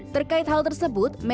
terkait hal tersebut